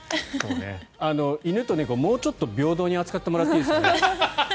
犬と猫、もうちょっと平等に扱ってもらっていいですか？